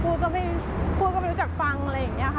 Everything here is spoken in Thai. พูดก็ไม่รู้จักฟังอะไรอย่างเงี้ยค่ะ